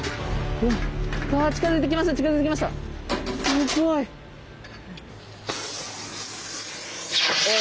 すごい。お！